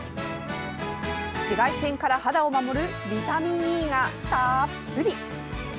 紫外線から肌を守るビタミンＥが、たっぷり。